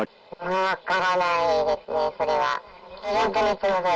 分からないですね、それは。